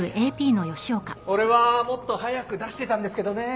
俺はもっと早く出してたんですけどねぇ。